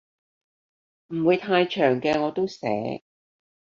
唔會太長嘅我都寫